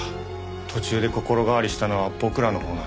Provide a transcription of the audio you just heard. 途中で心変わりしたのは僕らのほうなのに。